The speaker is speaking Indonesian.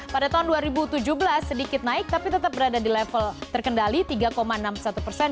pada tahun dua ribu tujuh belas sedikit naik tapi tetap berada di level terkendali tiga enam puluh satu persen